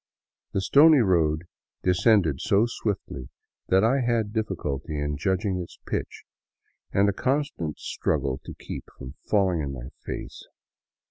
The stony road descended so swiftly that I had difficulty in judging its pitch and a constant struggle to keep from falling on my face.